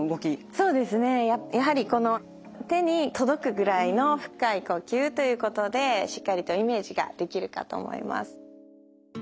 そうですねやはりこの手に届くぐらいの深い呼吸ということでしっかりとイメージができるかと思います。